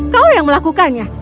kau yang melakukannya